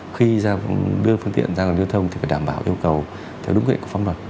khi đưa phương tiện ra gần giao thông thì phải đảm bảo yêu cầu theo đúng quy định của pháp luật